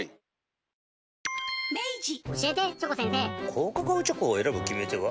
高カカオチョコを選ぶ決め手は？